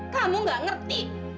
kamu gak ngerti